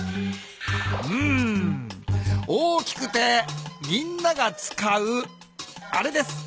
うん大きくてみんなが使うあれです。